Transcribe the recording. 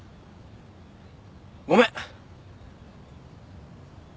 ごめん。